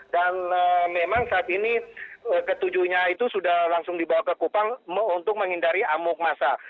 dan memang saat ini ketujuhnya itu sudah langsung dibawa ke kupang untuk menghindari amuk massa